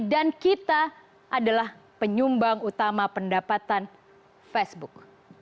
kita adalah penyumbang utama pendapatan facebook